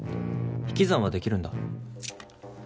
引き算はできるんだ。